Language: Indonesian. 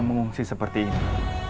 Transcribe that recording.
mengungsi seperti ini